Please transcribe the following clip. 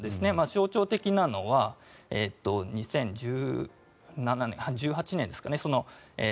象徴的なのは２０１８年ですかね。